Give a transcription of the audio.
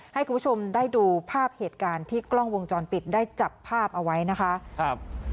ให้คุณผู้ชมได้ดูภาพเหตุการณ์ที่กล้องวงจรปิดได้จับภาพเอาไว้นะคะครับ